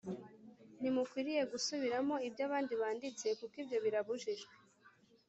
Ntimukwiriye gusubiramo ibyo abandi banditse kuko ibyo birabujijwe